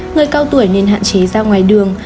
người cao tuổi nên hạn chế ra ngoài đường